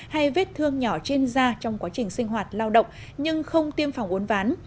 hay vết thương nhỏ trên da trong quá trình sinh hoạt lao động nhưng không tiêm phòng uốn ván